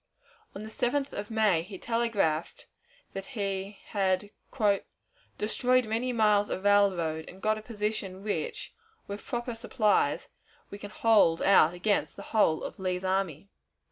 On the 7th of May he telegraphed that he had "destroyed many miles of railroad, and got a position which, with proper supplies, we can hold out against the whole of Lee's army."